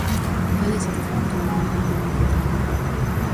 Cal é a situación actual do deporte non federado?